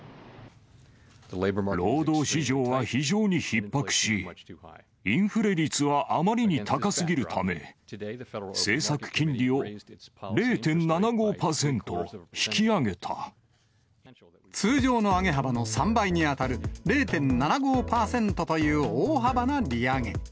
労働市場は非常にひっ迫し、インフレ率はあまりに高すぎるため、通常の上げ幅の３倍に当たる、０．７５％という大幅な利上げ。